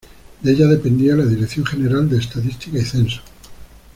De ella dependía la Dirección General de Estadística y Censos.